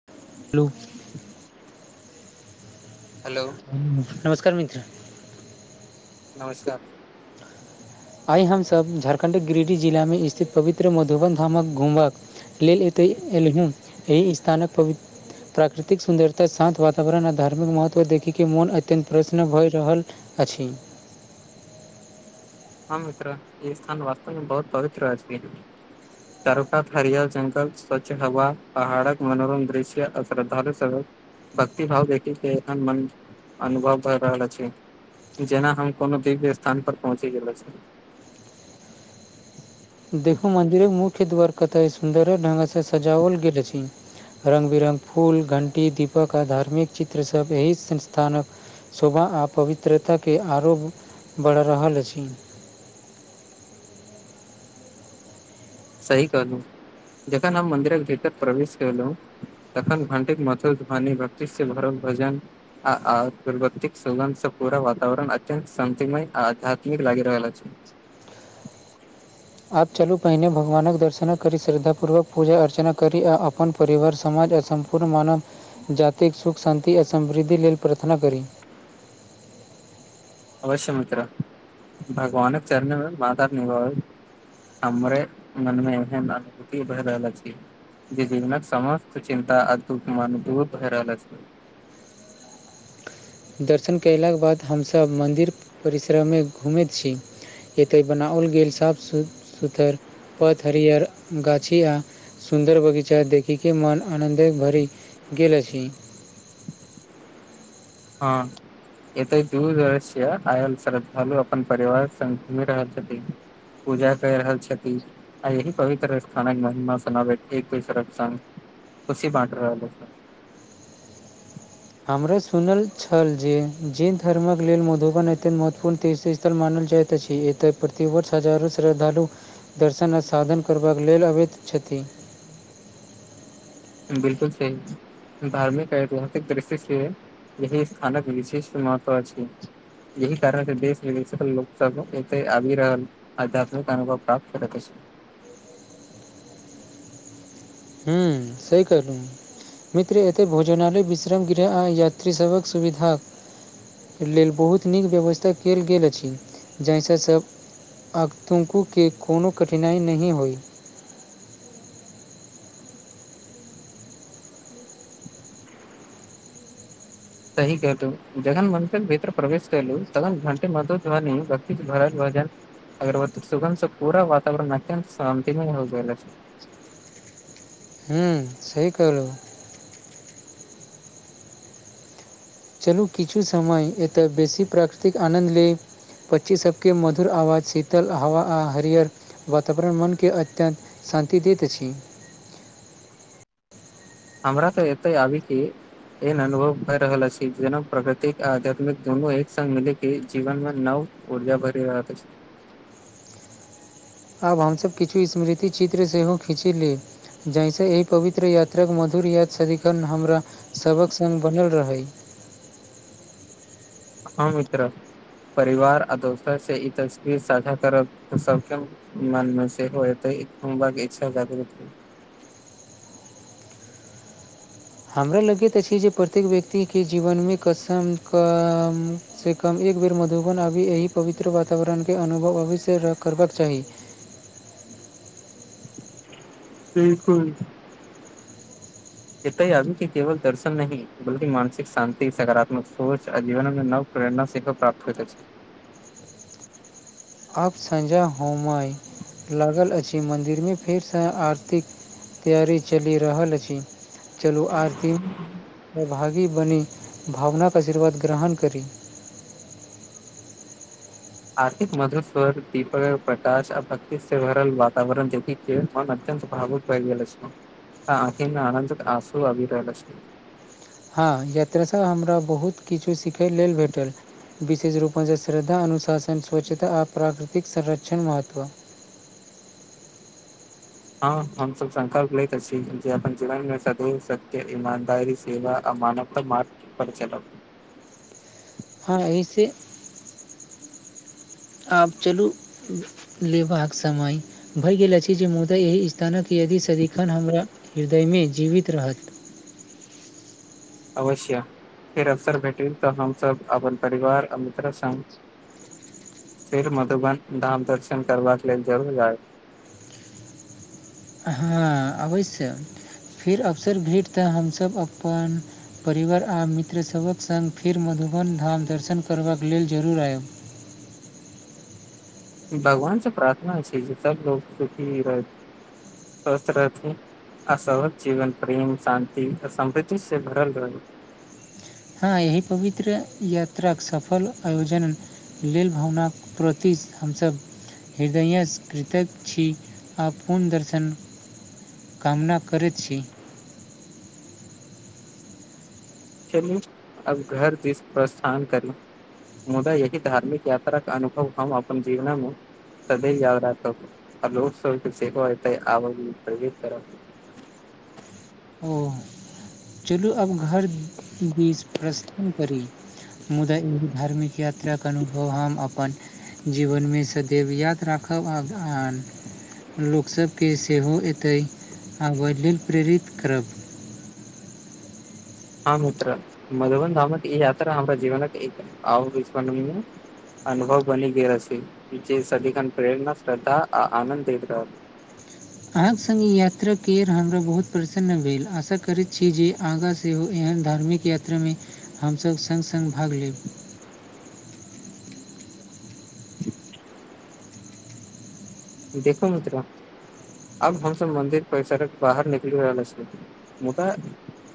[unintelligible] Hello नमस्कार मित्र। नमस्कार। आइ हमसभ झारखण्डक गिरिडह जिलामे स्थित पवित्र मधुबन धामक घुमब। लेल एतय एलहुँ एहि स्थानक पवित्र प्राकृतिक सुन्दरता शान्त वातावरण आ धार्मिक महत्व देखिके मोन अत्यन्त प्रसन्न भय रहल अछि हँ मित्र ई स्थान वास्तमे बहुत पवित्र अछि। [inaudible] चरोपात हरियल जंगल स्वच्छ हवा पहाड़क मनोरम दृश्य श्रद्धालु [unintelligible] भक्ति भाव देखे के एखन मन अनुभव भए रहल अछि। जेना हम कोनो दीव्य स्थान पर पहुँचे गेल छी। देखू मंजिरे मुख्य द्वार कत सुन्दर नगे से सजाओल गेल अछि। रंग बिरंग फूल घंटी दीपक आ धार्मिक चित्र सब एहि संस्थानक शोभा आ पवित्रताके आरो बढ़ि रहल अछि। सही कहलौ जखन हम मन्दिरक भीतर प्रवेश केलहु तखन घंटीक मथुर ध्वनि भक्ति से उभरल भजन आइ प्रवतिक सुगंध से पूरा वातावरण अत्यंत शान्तिमय आध्यात्मिक लागि रहल अछि। आब चलू पहिने भगवानक दर्शन करी श्रद्धापूर्वक पूजा अर्चना करी आ अपन परिवार समाज आ सम्पूर्ण मानव जातिक सुख शान्ति आ समृद्धि लेल प्रार्थना करी अवश्य मित्रा भगवानक चरणेमे बात निभ [unintelligible] हमरे मन मे एहन अनुभूति भए रहल अछी जे जीवनक समस्त चिन्ता आ दुख मन दूर भए रहल छै दर्शन कयलाक बाद हमसभ मन्दिर परिसरमे घुमैत छी एतय बनाओल गेल साफ सुथर पथ हरियर गाछी आ सुन्दर बगीचा देखी केँ मन आनन्द भरी गेल अछि हँ एतऽ दूर रहैय छियै आइ श्रद्धालु अपन परिवार संग घूमि रहल छथि पूजा कय रहल छथिन आ एही पवित्र स्थानक महिमा सुनाबैक एक दोसरक संग खुशी बाँट रहल हमरो सुनल छल जे जैन धर्मक लेल मधुबन एतय महत्वपूर्ण तीर्थ स्- -थल मानल जाइत अछि एतऽ प्रति वर्ष हजारो श्रद्धालु दर्शन आ साधन करबाक लेल अबैत छथि बिल्कुल सही धार्मिक ऐतिहासिक दृश्य से यही स्थानक विशेष महत्व अछि एही कारण देश विदेश लोक सब एते आबि रहल अध्यात्मिक अनुभव प्राप्त करे कैसे हूँ सही कहलौ मित्र एते भोजनाालय विश्राम गृह आ यात्री सभक सुविधा लेल बहुत नीक व्यवस्था कयल गेल अछि जाहिसँ सभ आतुंकूके कोनो कठिनाइ नहि होइ सही कहतौ जगन मंन भर प्रवेश करल तन घट मध ध भ भ [unintelligible] अगरबत्ती सुगन्ध सँ पूरा वातावरण अत्यन्त शान्तिमय होग गेलै हूँ सही कहलौ चलू किछु समय एतय बेसी प्राकृतिक आनन्द ले पक्षी सभ केँ मधुर आवाज शीतल हवा आ हरीहर वातावरण मनके अत्यन्त शान्ति दैत अछि हमरा तऽ एते आबि केँ एहन अनुभव भय रहल अछि जेना प्रकृतिक आ आध्यात्मिक दुनू एक संग मिले के जीवन मे नव ऊर्जा भरि रह [unintelligible] आब हमसभ किछु स्मृति चित्र सेहो खीची ली जाहिसँ एहि पवित्र यात्राक मधुर याद सदिखन हमरा सभक सग बनल रहै हँ मित्र परिवार आ दोस्त से ई तस्वीर साझा करब सभ केँ मन मे से होय तऽ कोई बात इच्छा जागरूक [unintelligible] हमरा लगैत अछि जे प्रत्येक व्यक्ति के जीवनमे कसम क से कम एक बेर मधुबन आबी एहि पवित्र वातावरणके अनुभव अवश्य करबाक चाही बिल्कुल इतय आबी केँ केवल दर्शन नहि बल्कि मानसिक शांति सकारात्मक सोच आ जीवनमे नव प्रेरणा सेख प्राप्त हो जाय छै [unintelligible] आब सझा होमय लागल अछि मन्दिरमे फेरसँ आरती क [unintelligible] तैयारी चलि रहल अछि चलु आरती भागी बनी भावना आशीर्वाद ग्रहण करी आरतीक मधु स्वर दीपक प्रकाश आ भक्ति से भरल वातावरण देखि केँ मन अत्यंत भावुक [unintelligible] गेल आखी मे आनन्द आसू आबि रहल अछि हँ यात्रासँ हमरा बहुत किछु सिखै लेल भेटल विशेष रूप सँ श्रद्धा अनुशासन स्वच्छता आ प्राकृतिक संरक्षण महत्व हँ हमसब संकल्प लैत छी जे अपन जीवन मे सगरोसत्य ईमानदारी सेवा आ मानव तऽ मार्ग पर चलब हँ, एहिसँ आब चलू। लेबाक समय। भऽ गेल अछि जे मुदा एहि स्थानक यादि सदिखन हमरा हृदयमे जीवित रहत। अवश्य, फेर अवसर भेटल तऽ हमहूँ अपन परिवार आ मित्रसंग। फेर मधुबन धामक दर्शन करबाक लेल जरूर आब। हँ, अबैसँ फेर अवसर भेटतऽ हमसभ अपन। परिवार आ मित्रसभक संग मधुबन धामक दर्शन करबाक लेल जरूर आएब। भगवानसँ प्रार्थना अछि जे सभ लोक सुखी रहथि, स्वस्थ रहथि। अहाँ जीवन प्रेम, शान्ति आ समृद्धिसँ भरल रहै। हँ, एहि पवित्र यात्राक सफल आयोजन। लेल भावनाक प्रति हमसभ। हृदयसँ कृतज्ञ छी आ पूर्ण दर्शन। कामना करै छी। चलू, आब घर दिस प्रस्थान करू। मुदा एहि धार्मिक यात्राक अनुभव हम अपन जीवनमे सदैव याद राखब आ लोकसभसँ आबैत रहब। ओ, चलू आब घर दिस प्रस्थान करी। मुदा एहि धार्मिक यात्राक अनुभव हम अपन जीवनमे सदैव याद राखब आ। लोकसभके सेहो एतै आबय लेल प्रेरित करब। हँ मित्र, मधुबन धामक ई यात्रा हमरा जीवनक अविस्मरणीय। अनुभव बनी गेल, सदैव प्रेरणा, श्रद्धा आ आनन्द दैत रहल। अहाँसंग यात्रामे हमरा बहुत प्रसन्नता भेल। आशा करैत छी जे आगाँ सेहो एहन धार्मिक। यात्रामे हमसभ संग संग भाग लेब। देखू मित्र, आब हमसभ मन्दिर परिसरक बाहर निकलि रहल छी। मुदा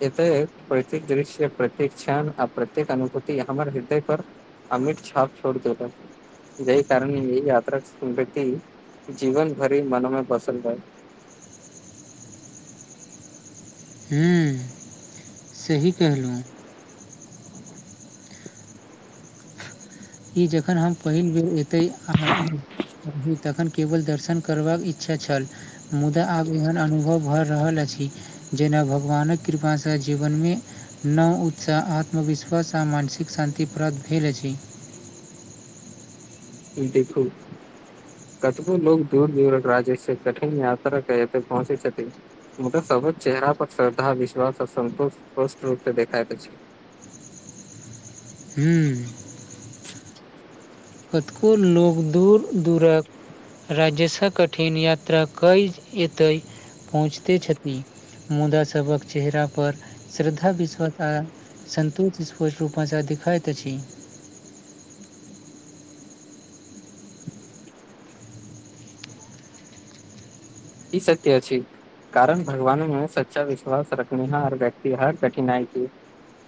एतय प्रत्येक दृश्य, प्रत्येक क्षण आ प्रत्येक अनुभूति हमर हृदय पर अमित छाप छोड़ि देत, जाहि कारण ई यात्रा अविस्मरणीय अछि। जीवन भरि मोनमे बसल रहै। हू, सही कहलहुँ। ई जखन हम पहिल बेर एतऽ आ तखन केवल दर्शन करबाक इच्छा छल। मुदा आब एहन अनुभव भऽ रहल अछि। जेना भगवानक कृपासँ जीवनमे नव उत्साह, आत्मविश्वास आ मानसिक शान्ति प्राप्त भेल अछि। देखू कतबो लोक दूर दूरक राज्यसँ कठिन यात्रा कऽ एतऽ पहुँचैत छथि। मुदा सभहक चेहरा पर श्रद्धा, विश्वास आ सन्तोष स्पष्ट रूपसँ देखाइ दै छै। हू कतको लोक दूर दूरक राज्यसँ कठिन यात्रा कऽ एतय पहुँचैत छथि। मुदा सभक चेहरा पर श्रद्धा, विश्वास आ सन्तोष रूपसँ देखाइत अछि। ई सत्य अछि। कारण भगवानमे सच्चा विश्वास रखनिहार व्यक्ति हर कठिनाई की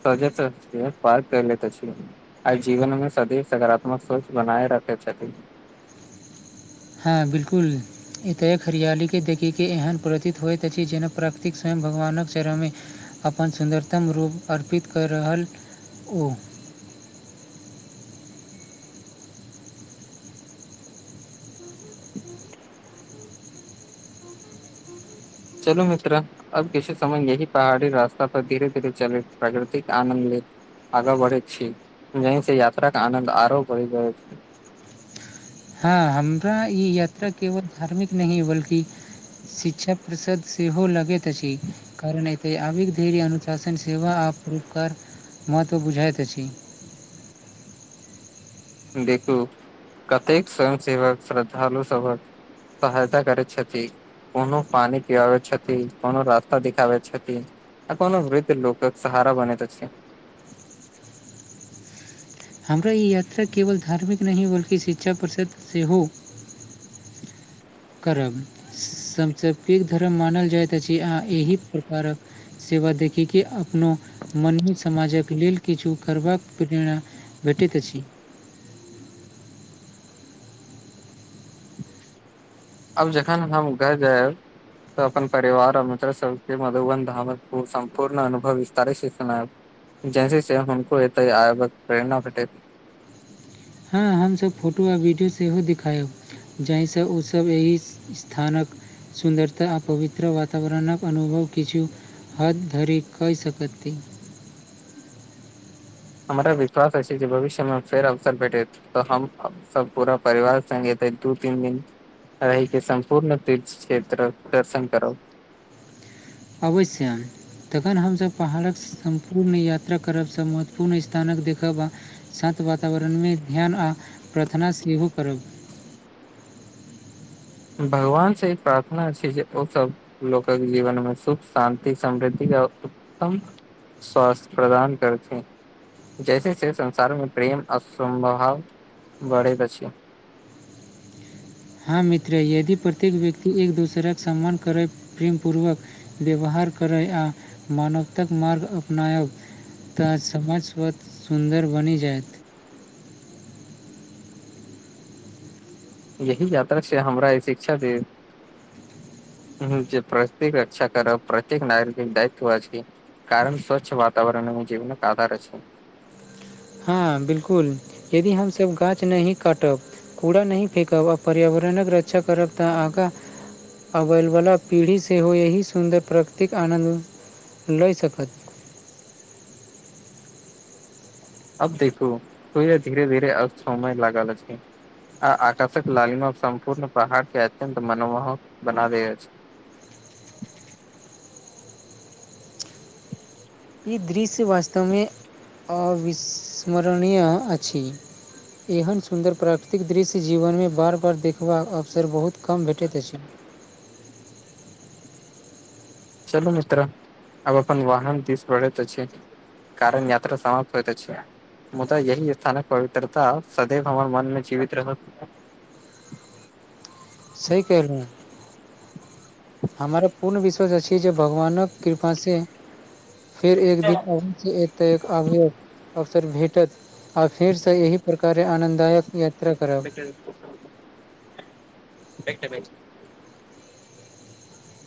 सज पारि कऽ लैत छै। आ जीवनमे सदैव सकारात्मक सोच बनाय रखैत छथि। हँ बिल्कूल एतय हरियालीके देखिके एहन प्रतीत होइत अछि जेना प्रकृति स्वयं भगवानक चरणमे अपन सुन्दरतम रूप अर्पित कऽ रहल अछि। चलू मित्र अब किछु समय यही पहाड़ी रास्ता पर धीरे धीरे चलैत प्राकृतिक आनन्द ले आगा बढ़ैत छी यही से यात्रा के आनंद आरो बढ़ी जाइत हँ हमरा ई यात्रा केवल धार्मिक नहि बल्कि शिक्षा प्रषद सेहो लगैत अछि कारण आ धर्य अनुशासन सेव आ पूकार महत्व बुझायत अछि देखू कतेक स्वयं सेवक श्रद्धालु सभक सहायता करैत छथि कोनो पानि पिआबै छथि कोनो रास्ता दिखाबै छथि आ कोन वृद्ध लोकक सहारा बनैत अछि हमरा ई यात्रा केवल धार्मिक नहि बल्कि शिक्षा प्रषद से हो करब सबसे पैघ धर्म मानल जायत अछि एहि प्रकारक सेवा देखी के अपनो मनही समाजक लेल किछु करबाक प्रेरणा भेटैत अछि अब जखन हम घर जायब तऽ अपन परिवार आ मित्र सबके मधुबन धामक सम्पूर्ण अनुभव विस्तारे सँ सुनाइब जैसे से हमको एतय आबैक प्रेरणा भेटैत हँ हमसब फोटो आ वीडियो सेहो दिखायब जाहिसँ ओसभ एहि स्थानक सुन्दरता आ पवित्र वातावरणक अनुभव किछु हद धरी कई सकति हमरा विश्वास अछि जे भविष्यमे फेर अवसर भेटैत तऽ हम सब पूरा परिवार संगे एतय दू तीन दिन रहिके सम्पूर्ण तीर्थ क्षेत्रक दर्शन करब अवश्य तखन हमसभ पहाड़क सम्पूर्ण यात्रा करबसँ महत्वपूर्ण स्थानक देखब आ सान्त वातावरणमे ध्यान आ प्रार्थना सेहो करब भगवानसँ ई प्रार्थना छै जे ओसभ लोकके जीवन मे सुख शान्ति समृद्धि आ उत्तम स्वास्थ्य प्रदान करथि जैसे से संसारमे प्रेम आ समभाव बढ़ैत अछि हँ मित्र यदि प्रत्येक व्यक्ति एक दोसराक सम्मान करै प्रेमपूर्वक व्यवहार करय आ मानवताक मार्ग अपनायब तऽ समाज स्वत सुन्दर बनि जायत यही यात्रा छै हमरा शिक्षा दे ह जे प्राकृतिक रक्षा करब प्रत्येक नागरिक दायुत्व अछि कारण स्वच्छ वातावरणमे जीवन आधार अछि हँ बिलकुल यदि हमसभ गाछ नहि काटब कूड़ा नहि फेकब आ पर्यावरणक रक्षा करब तऽ आगा अबैवला पीढ़ी सेहो एहि सुन्दर प्रकृतिक आनन्द लए सकत अब देखू सुइर धीरे धीरे समय लागल अछि आ आकर्षक लालीमा सम्पूर्ण पहाड़ के अत्यंत मनोमोहक बना दै अछि ई दृश्य वास्तवमे अविस्मरणीय अछि एहन सुन्दर प्राकृतिक दृश्य जीवनमे बार बार देखबाक अवसर बहुत कम भेटैत अछि चलू मित्र आब अपन वाहन दिस बढ़ैत अछि कारण यात्रा समाप्त होइत अछि मुदा यही स्थानक पवित्रता सदैव हमर मन मे जीवित रहत सही कहलउ हमर पूर्ण विश्वास अछि जे भगवानक कृपासे फेर एक दिन अवश्य एतय आबयक अफसर भेटत आ फेरसँ एहि प्रकारे आनन्ददायक यात्रा करब। देखबै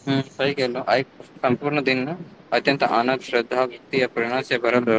हूँ सही गेले आ संपूर्ण दिन अत्यंत आनन्द श्रद्धा व्यक्त प्रणश बरल रहल